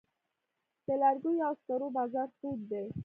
د لرګیو او سکرو بازار تود دی؟